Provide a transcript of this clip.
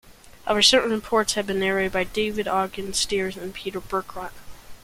However, certain reports have been narrated by David Ogden Stiers and Peter Berkrot.